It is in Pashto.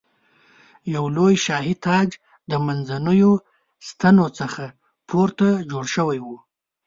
یو لوی شاهي تاج د منځنیو ستنو څخه پورته جوړ شوی و.